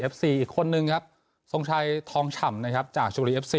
เอฟซีอีกคนนึงครับทรงชัยทองฉ่ำนะครับจากชุบรี